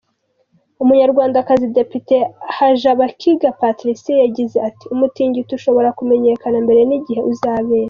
Umunyarwandakazi Depite Hajabakiga Patricia yagize ati “Umutingito ushobora kumenyekana mbere n’igihe uzabera.